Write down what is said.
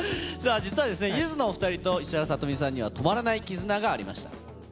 実はですね、ゆずのお２人と石原さとみさんには止まらない絆がありました。